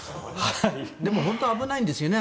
でも本当は危ないんですよね。